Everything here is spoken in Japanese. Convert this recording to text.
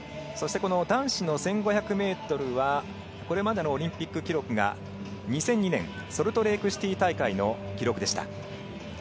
そして、男子の１５００ｍはこれまでのオリンピック記録が２００２年ソルトレークシティー大会の記録でした。